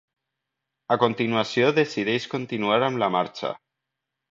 A continuació decideix continuar amb la marxa.